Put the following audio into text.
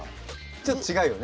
ちょっと違うよね。